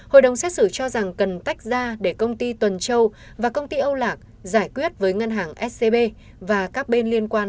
hội đồng xét xử cho rằng cần tách ra để công ty tuần châu và công ty âu lạc giải quyết với ngân hàng scb và các bên liên quan